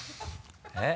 えっ？